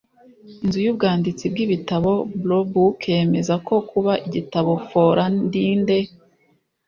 Inzu y’ubwanditsi bw’ibitabo Bloo Book yemeza ko kuba igitabo ‘Fora ndi nde